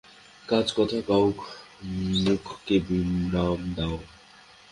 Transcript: কাজ কথা কউক, মুখকে বিরাম দাও।